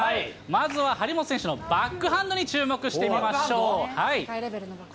まずは張本選手のバックハンドに注目してみましょう。